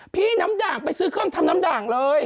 พี่น้ำด่างไปซื้อเครื่องทำน้ำด่างเลย